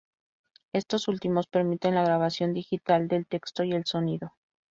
Estos últimos permiten la grabación digital del texto y el sonido.